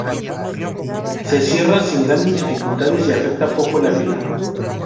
Se sierra sin grandes dificultades y afecta poco el afilado.